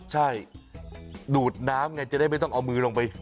ใช่ดูดน้ำไงจะได้ไม่ต้องเอามือลงไป